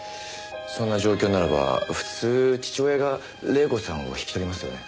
そんな状況ならば普通父親が黎子さんを引き取りますよね？